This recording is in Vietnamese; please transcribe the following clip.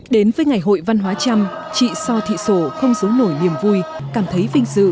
đến với ngày hội văn hóa trăm chị so thị sổ không giấu nổi niềm vui cảm thấy vinh dự